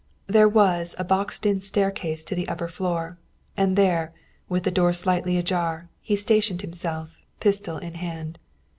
There was a boxed in staircase to the upper floor, and there, with the door slightly ajar, he stationed himself, pistol in hand.